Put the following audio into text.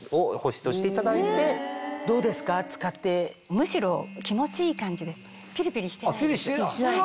むしろ気持ちいい感じでピリピリしてないです。